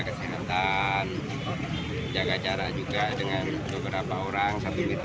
kesehatan jaga jarak juga dengan beberapa orang